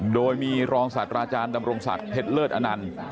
โดยมีรองศาสตราอาจารย์ดำรงศักดิ์เพชรเลิศอนันต์